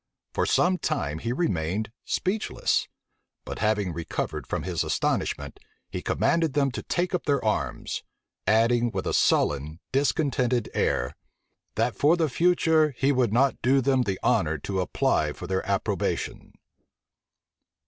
For some time he remained speechless; but having recovered from his astonishment, he commanded them to take up their arms; adding with a sullen, discontented air, "That for the future, he would not do them the honor to apply for their approbation."